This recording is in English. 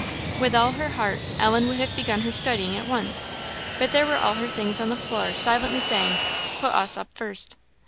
With all her heart Ellen would have begun her studying at once, but there were all her things on the floor, silently saying, "Put us up first."